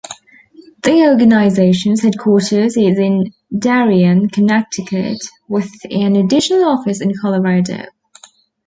The organization's headquarters is in Darien, Connecticut, with an additional office in Colorado.